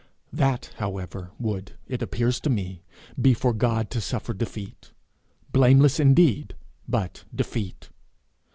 That, however, would, it appears to me, be for God to suffer defeat, blameless indeed, but defeat.